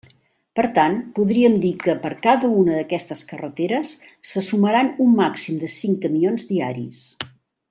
Per tant, podríem dir que, per cada una d'aquestes carreteres se sumaran un màxim de cinc camions diaris.